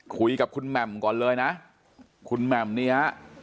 คุยกับคุณแหม่มก่อนเลยนะคุณแหม่มนี่ฮะ